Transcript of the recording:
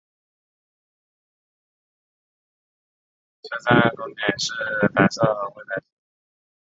车站拱顶是白色和灰色。